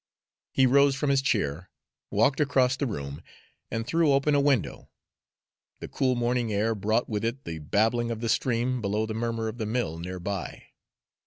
He rose from his chair, walked across the room, and threw open a window. The cool morning air brought with it the babbling of the stream below and the murmur of the mill near by.